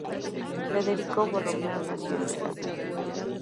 Federico Borromeo nació en Milán.